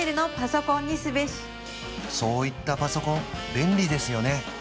そういったパソコン便利ですよね